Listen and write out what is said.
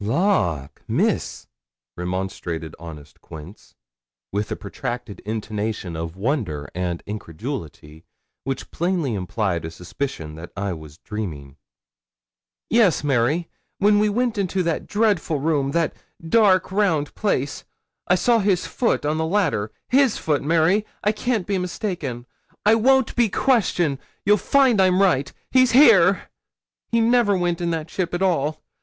'Lawk, Miss!' remonstrated honest Quince, with a protracted intonation of wonder and incredulity, which plainly implied a suspicion that I was dreaming. 'Yes, Mary. When we went into that dreadful room that dark, round place I saw his foot on the ladder. His foot, Mary I can't be mistaken. I won't be questioned. You'll find I'm right. He's here. He never went in that ship at all.